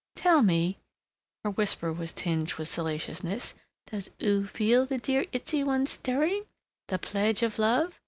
Tell me " Her whisper was tinged with salaciousness "does oo feel the dear itsy one stirring, the pledge of love?